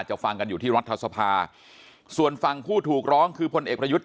ฟังกันอยู่ที่รัฐสภาส่วนฝั่งผู้ถูกร้องคือพลเอกประยุทธ์